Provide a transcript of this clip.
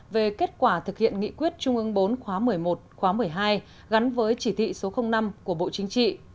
về kết quả thực hiện nghị quyết trung ương bốn khóa một mươi một khóa một mươi hai gắn với chỉ thị số năm của bộ chính trị